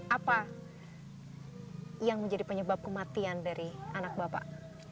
apa yang menjadi penyebab kematian dari anak bapak